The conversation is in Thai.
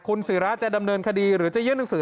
คุณศิราจะดำเนินคดีหรือจะยื่นหนังสือ